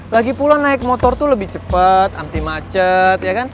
lagi pula naik motor tuh lebih cepet anti macet ya kan